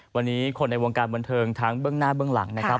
วันนี้คนในวงการบนทึงทั้งเบื้องหน้าเบื้องหลัง